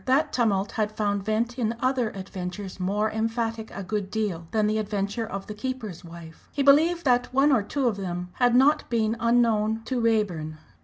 That tumult had found vent in other adventures more emphatic a good deal than the adventure of the keeper's wife. He believed that one or two of them had been not unknown to Raeburn.